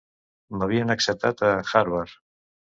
M'havien acceptat a Harvard!